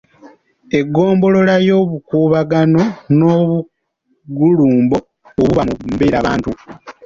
Engombolola y’obukuubagano n’obugulumbo obuba mu mbeerabantu.